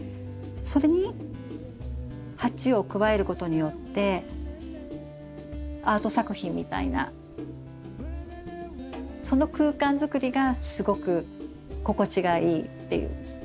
それに鉢を加えることによってアート作品みたいなその空間づくりがすごく心地がいいっていう。